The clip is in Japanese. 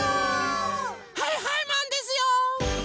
はいはいマンですよー！